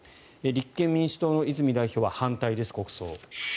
立憲民主党の泉代表は国葬に反対です。